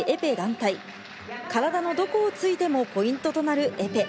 体のどこを突いてもポイントとなるエペ。